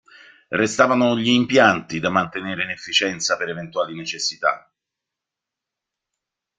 Restavano gli impianti da mantenere in efficienza per eventuali necessità.